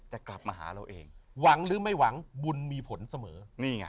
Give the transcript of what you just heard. จะกลับมาหาเราเองหวังหรือไม่หวังบุญมีผลเสมอนี่ไง